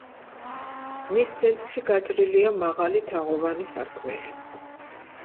მის ცენტრში გაჭრილია მაღალი, თაღოვანი სარკმელი.